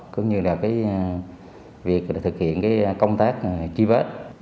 cũng như việc thực hiện công tác tri vết